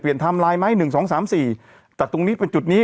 เปลี่ยนไทม์ไลน์ไหมหนึ่งสองสามสี่จัดตรงนี้เป็นจุดนี้